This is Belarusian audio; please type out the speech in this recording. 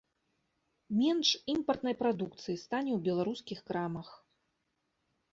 Менш імпартнай прадукцыі стане ў беларускіх крамах.